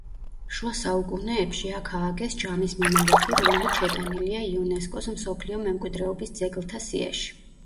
შუა საუკუნეებში აქ ააგეს ჯამის მინარეთი, რომელიც შეტანილია იუნესკოს მსოფლიო მემკვიდრეობის ძეგლთა სიაში.